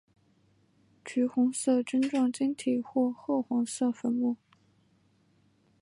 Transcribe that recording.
橘红色针状晶体或赭黄色粉末。